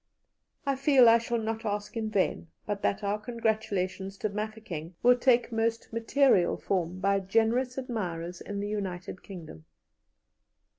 "I feel I shall not ask in vain, but that our congratulations to Mafeking will take most material form by generous admirers in the United Kingdom.